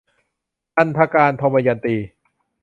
อันธการ - ทมยันตี